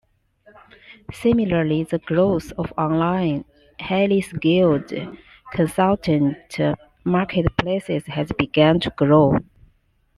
Similarly, the growth of online, highly skilled consultant marketplaces has begun to grow.